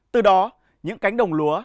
từ đó những cánh đồng lúa